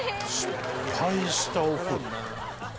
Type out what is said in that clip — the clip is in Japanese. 失敗したお風呂？